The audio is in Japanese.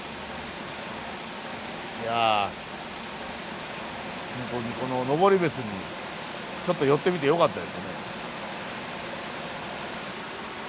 いやホントにこの登別にちょっと寄ってみてよかったですね。